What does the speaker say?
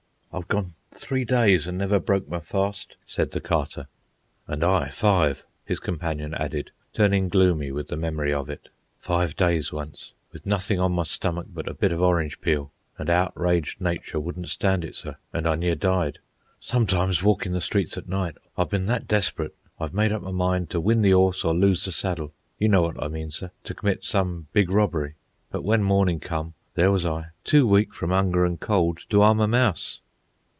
"I've gone three days and never broke my fast," said the Carter. "And I, five," his companion added, turning gloomy with the memory of it. "Five days once, with nothing on my stomach but a bit of orange peel, an' outraged nature wouldn't stand it, sir, an' I near died. Sometimes, walkin' the streets at night, I've ben that desperate I've made up my mind to win the horse or lose the saddle. You know what I mean, sir—to commit some big robbery. But when mornin' come, there was I, too weak from 'unger an' cold to 'arm a mouse."